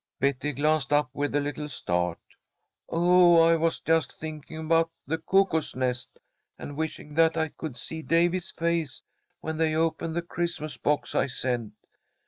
Betty glanced up with a little start. "Oh, I was just thinking about the Cuckoo's Nest, and wishing that I could see Davy's face when they open the Christmas box I sent.